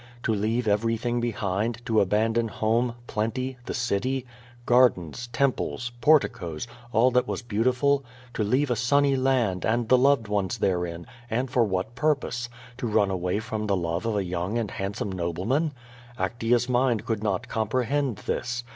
To leave everything behind, to abandon home, plenty, the city, gar dens, temples, porticoes, all that was beautiful; to leave a sunny land, and the loved ones therein, and for what pur pose? To run away from the love of a young and handsome nobleman. Actea's mind could not comprehend this.